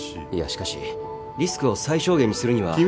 いやしかしリスクを最小限にするには。